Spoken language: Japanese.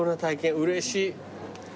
うれしい。